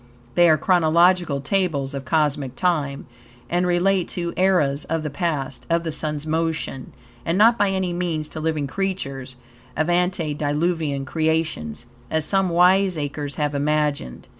They are chronological tables of cosmic time, and relate to eras of the past, of the Sun's motion, and not by any means to living creatures of antediluvian creations, as some wiseacres have imagined.